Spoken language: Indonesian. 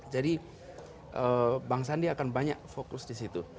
jadi bang sandiaga akan banyak fokus disitu